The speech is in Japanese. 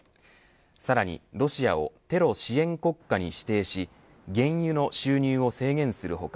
さらに、ロシアをテロ支援国家に指定し原油の収入を制限する他